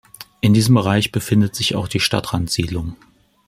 In diesem Bereich befindet sich auch die Stadtrandsiedlung.